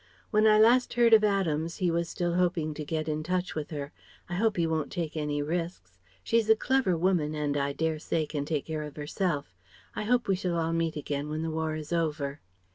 When I last heard of Adams he was still hoping to get into touch with her. I hope he won't take any risks. She's a clever woman and I dare say can take care of herself. I hope we shall all meet again when the War is over."